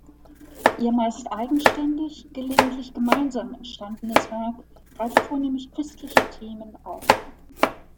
Ihr meist eigenständig, gelegentlich gemeinsam entstandenes Werk greift vornehmlich christliche Themen auf.